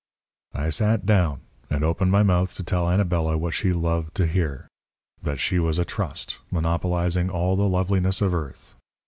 "I sat down, and opened my mouth to tell Anabela what she loved to hear that she was a trust, monopolizing all the loveliness of earth.